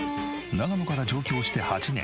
長野から上京して８年。